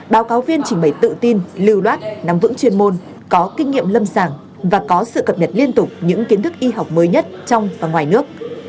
báo cáo viên trình bày tự tin lưu loát nắm vững chuyên môn có kinh nghiệm lâm sàng và có sự cập nhật liên tục những kiến thức y học mới nhất trong và ngoài nước